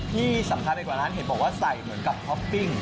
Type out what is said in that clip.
ที่สำคัญไปกว่านั้นเห็นบอกว่าใส่เหมือนกับท็อปปิ้ง